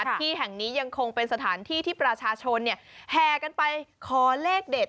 ที่แห่งนี้ยังคงเป็นสถานที่ที่ประชาชนแห่กันไปขอเลขเด็ด